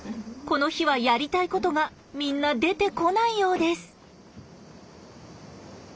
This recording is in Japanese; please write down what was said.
この日は“やりたいこと”がみんな出てこないようです。